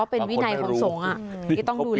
เป็นวินัยของสงฆ์ที่ต้องดูแล